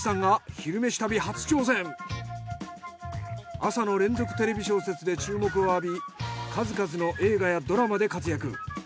朝の連続テレビ小説で注目を浴び数々の映画やドラマで活躍。